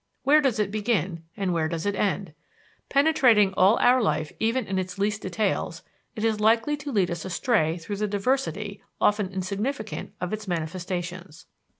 Where does it begin, and where does it end? Penetrating all our life even in its least details, it is likely to lead us astray through the diversity, often insignificant, of its manifestations.